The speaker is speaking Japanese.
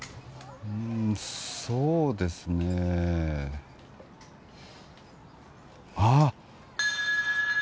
うーんそうですねえああ！